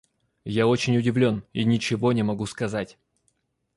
Я очень удивлен и ничего не могу сказать.